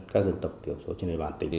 các dân tộc thiểu số trên đài bàn tỉnh